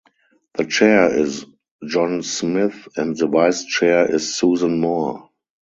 The chair is John Smith and the vice chair is Susan Moore.